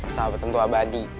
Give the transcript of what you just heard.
persahabatan tuh abadi